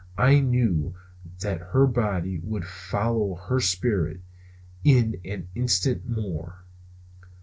I knew that her body would follow her spirit in an instant more.